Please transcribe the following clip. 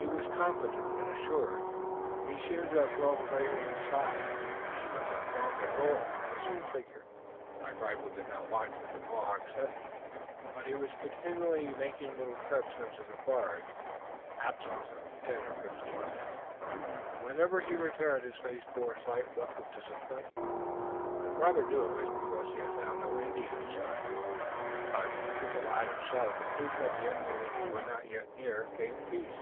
He was confident and assured, he seemed to have grown greatly in size, and he was a formidable and menacing figure. Black Rifle did not watch with the Mohawk sentinels, but he was continually making little trips into the forest, absences of ten or fifteen minutes, and whenever he returned his face bore a slight look of disappointment. Robert knew it was because he had found no Indian sign, but to the lad himself the proof that the enemy was not yet near gave peace.